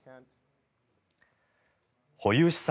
保有資産